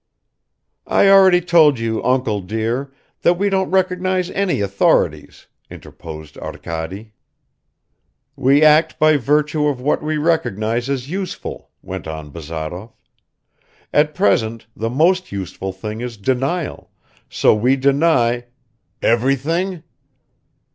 "I already told you, uncle dear, that we don't recognize any authorities," interposed Arkady. "We act by virtue of what we recognize as useful," went on Bazarov. "At present the most useful thing is denial, so we deny " "Everything?"